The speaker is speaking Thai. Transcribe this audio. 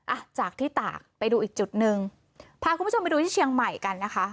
อ่ะจากที่ตากไปดูอีกจุดหนึ่งพาคุณผู้ชมไปดูที่เชียงใหม่กันนะคะ